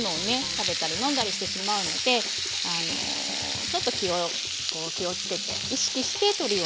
食べたり飲んだりしてしまうのでちょっと気をつけて意識してとるようにしています。